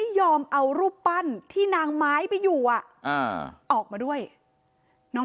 น้ำคลานน้อง